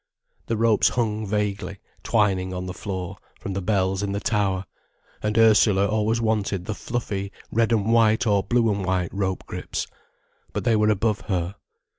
The ropes hung vaguely, twining on the floor, from the bells in the tower, and Ursula always wanted the fluffy, red and white, or blue and white rope grips. But they were above her.